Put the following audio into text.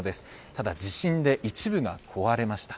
ただ、地震で一部が壊れました。